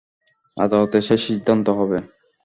আদালতে সেই সিদ্ধান্ত হবে।